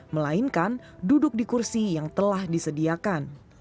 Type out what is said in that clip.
melainkan duduk di kursi yang telah disediakan